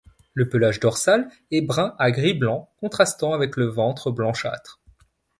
Le pelage dorsal est brun à gris-blanc contrastant avec le ventre blanchâtre.